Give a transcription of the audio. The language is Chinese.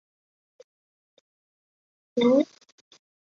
第八层是电梯机房和水箱等用房。